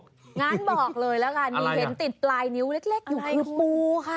งั้นบอกเลยแล้วกันมีเห็นติดปลายนิ้วเล็กอยู่คือปูค่ะ